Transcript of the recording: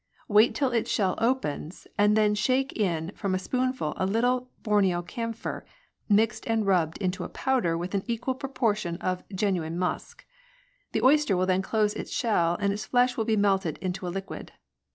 Wait till its shell opens, and then shake in from a spoon a little Borneo camphor, mixed and rubbed into a powder with an equal por tion of genuine musk. The oyster will then close its shell and its flesh will be melted into a liquid.